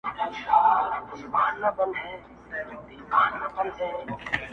پر سجده سو قلندر ته په دعا سو٫